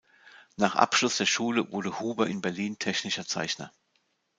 Nach Abschluss der Schule wurde Huber in Berlin Technischer Zeichner.